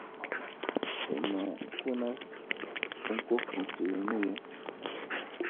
Runakunaq ukhunmi tunuyan.